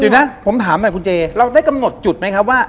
อยู่นะผมถามใหม่คุณเจเราได้กำหนดจุดไหมครับว่า